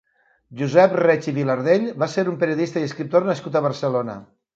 Josep Reig i Vilardell va ser un periodista i escriptor nascut a Barcelona.